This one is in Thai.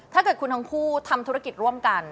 ถ้าเกิดคุณทั้งคู่ทำธุรกิจร่วมกัน